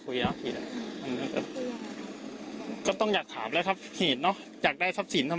เพื่อให้ชีวิตอพิวเกิดเพิ่มขายให้ชีวิตโทรก